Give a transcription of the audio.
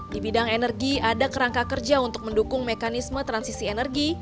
di bidang energi ada kerangka kerja untuk mendukung mekanisme transisi energi